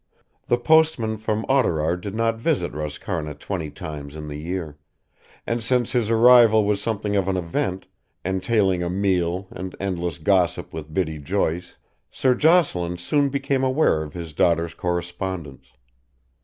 The postman from Oughterard did not visit Roscarna twenty times in the year, and since his arrival was something of an event, entailing a meal and endless gossip with Biddy Joyce, Sir Jocelyn soon became aware of his daughter's correspondence.